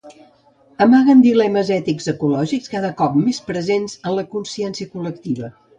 Amaguen dilemes ètics ecològics cada cop més presents en la consciència col·lectiva